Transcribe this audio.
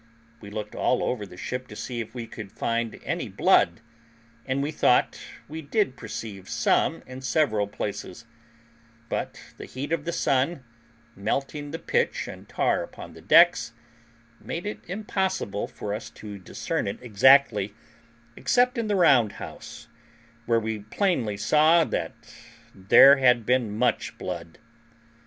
We looked all over the ship to see if we could find any blood, and we thought we did perceive some in several places; but the heat of the sun, melting the pitch and tar upon the decks, made it impossible for us to discern it exactly, except in the round house, where we plainly saw that there had been much blood.